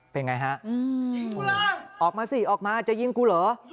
เป็นไงฮะออกมาสิออกมาจะยิงกูเหรอ